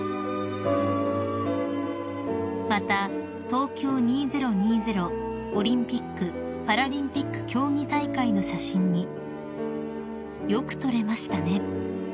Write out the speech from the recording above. ［また東京２０２０オリンピック・パラリンピック競技大会の写真に「よく撮れましたね」